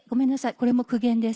これも苦言です。